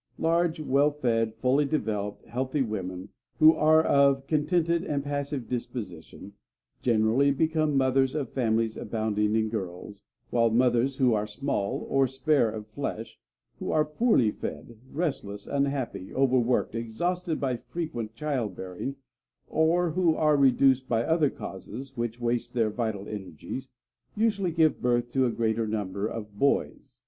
Large, well fed, fully developed, healthy women, who are of contented and passive disposition, generally become mothers of families abounding in girls; while mothers who are small or spare of flesh, who are poorly fed, restless, unhappy, overworked, exhausted by frequent childbearing, or who are reduced by other causes which waste their vital energies, usually give birth to a greater number of boys.